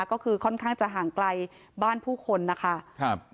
ก็คือค่อนข้างจะห่างไกลบ้านผู้คนนะคะครับ